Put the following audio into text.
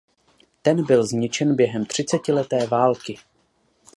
Ten byl zničen během třicetileté války.